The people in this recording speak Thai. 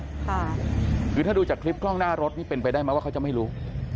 ค่ะคือถ้าดูจากคลิปกล้องหน้ารถนี่เป็นไปได้ไหมว่าเขาจะไม่รู้